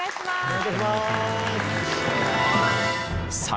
お願いいたします。